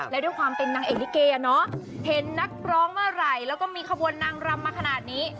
และด้วยความเป็นนางเอ็นเฎอะเนี่ยเนอะเห็นนักปร้องมาใหล่และมีขบวนนางรำมาขนาดนี้